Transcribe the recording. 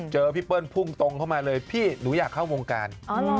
พี่เปิ้ลพุ่งตรงเข้ามาเลยพี่หนูอยากเข้าวงการ